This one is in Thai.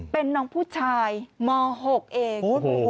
เป็นน้องผู้ชายม๖เอง